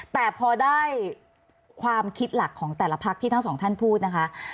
แต่พอได้ความคิดหลักของแต่ละพักที่ทั้งสองท่านพูดนะคะ